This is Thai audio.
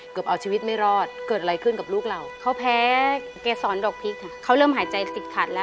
ก็หลายเดือนอยู่ค่ะกว่าเขาจะถอดท่อได้